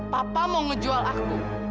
papa mau ngejual aku